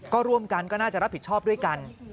ก็ร่วมกันก็น่าจะรับผิดชอบด้วยกัน